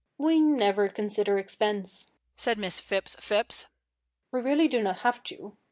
"We never consider expense," said Miss Phipps Phipps. "We really do not have to.